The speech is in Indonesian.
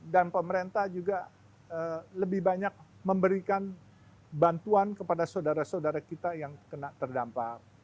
pemerintah juga lebih banyak memberikan bantuan kepada saudara saudara kita yang kena terdampak